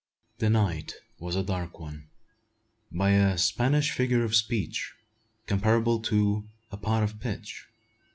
The night was a dark one; by a Spanish figure of speech, comparable to a "pot of pitch."